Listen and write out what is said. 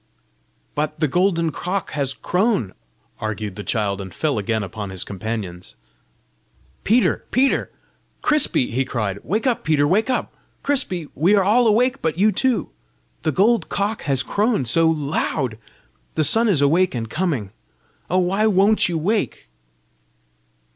"But the golden cock has crown!" argued the child, and fell again upon his companions. "Peter! Peter! Crispy!" he cried. "Wake up, Peter! wake up, Crispy! We are all awake but you two! The gold cock has crown SO loud! The sun is awake and coming! Oh, why WON'T you wake?"